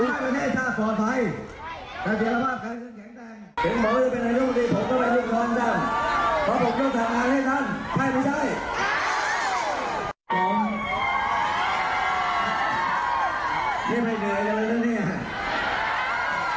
เขาให้ประเทศอีสัตว์ปร้อนไปแต่เดี๋ยว